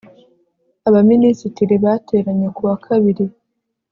abaminisitiri bateranye kuwa kabiri